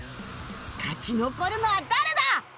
勝ち残るのは誰だ！？